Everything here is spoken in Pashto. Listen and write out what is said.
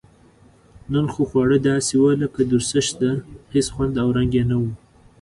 نن خو خواړه داسې و لکه دورسشته هېڅ خوند او رنګ یې نه و.